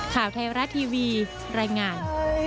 ข่าวไทยรัฐทีวีรายงาน